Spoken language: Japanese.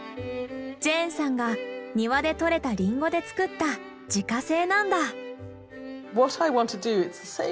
ジェーンさんが庭で採れたリンゴで造った自家製なんだ。